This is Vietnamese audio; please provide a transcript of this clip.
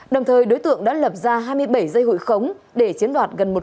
đồng thời đối tượng đã lập ra hai mươi bảy giây hội khống để chiến đoạt gần một chín